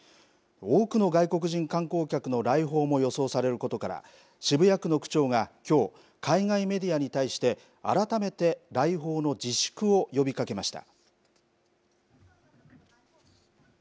多くの外国人観光客の来訪も予想されることから渋谷区の区長が、きょう海外メディアに対して改めて来訪の自粛を呼びかけました。